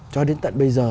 cho đến tận bây giờ